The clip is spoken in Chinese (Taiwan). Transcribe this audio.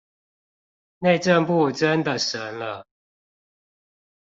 內政部真的神了